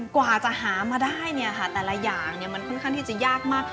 กว่าจะหามาได้แต่ละอย่างมันค่อนข้างที่จะยากมาก